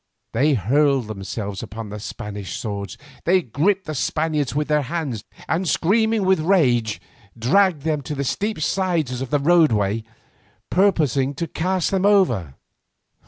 They hurled themselves upon the Spanish swords, they gripped the Spaniards with their hands and screaming with rage dragged them to the steep sides of the roadway, purposing to cast them over.